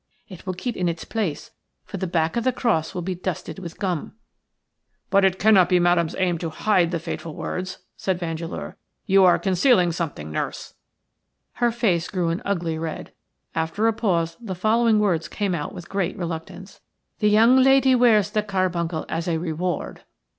It will keep in its place, for the back of the cross will be dusted with gum." "But it cannot be Madame's aim to hide the fateful words," said Vandeleur. "You are concealing something, nurse." Her face grew an ugly red. After a pause the following words came out with great reluctance:– "The young lady wears the carbuncle as a reward."